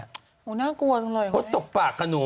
โอ้ยน่ากลัวทั้งหลายเลยน่ะเนี่ยหดตกปากนะหนู